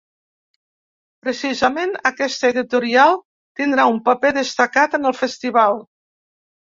Precisament aquesta editorial tindrà un paper destacat en el festival.